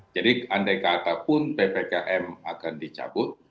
jadi andai kata pun ppkm akan dicabut